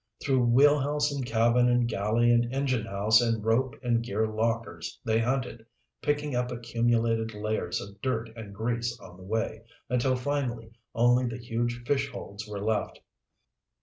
Through wheelhouse and cabin and galley and enginehouse and rope and gear lockers they hunted, picking up accumulated layers of dirt and grease on the way, until finally only the huge fish holds were left.